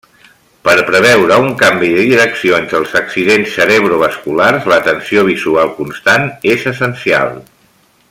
Per preveure un canvi de direcció entre els accidents cerebrovasculars, l'atenció visual constant és essencial.